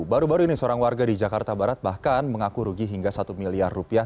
baru baru ini seorang warga di jakarta barat bahkan mengaku rugi hingga satu miliar rupiah